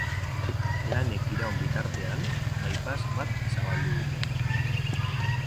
Lanek iraun bitartean, bypass bat zabaldu dute.